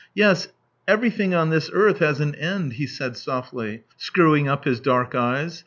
" Yes, everything on this earth has an end," he said softly, screwing up his dark eyes.